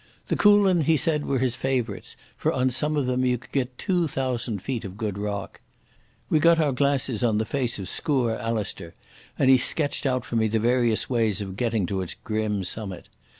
The Coolin, he said, were his favourites, for on some of them you could get two thousand feet of good rock. We got our glasses on the face of Sgurr Alasdair, and he sketched out for me various ways of getting to its grim summit.